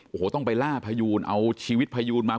โอ้โหต้องไปล่าพยูนเอาชีวิตพยูนมา